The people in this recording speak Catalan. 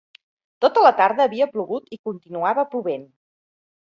Tota la tarda havia plogut i continuava plovent.